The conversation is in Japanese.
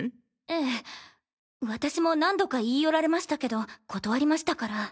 ええ私も何度か言い寄られましたけど断りましたから。